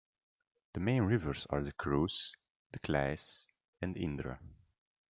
The main rivers are the Creuse, the Claise and the Indre.